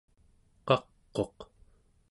qaq'uq